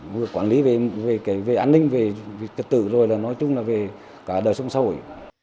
người quản lý về an ninh về tự rồi là nói chung là về cả đời sống xã hội